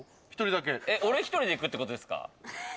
俺１人で行くってことですか？